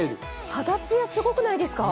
肌ツヤすごくないですか？